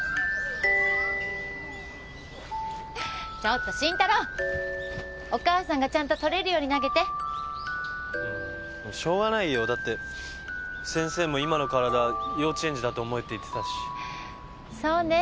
ちょっと慎太郎お母さんがちゃんと取れるように投げてうんしょうがないよだって先生も今の体幼稚園児だって思えって言ってたしそうね